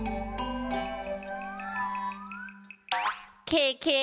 ケケ！